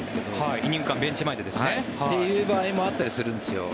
イニング間ベンチ前でですね。という場合もあったりするんですよ。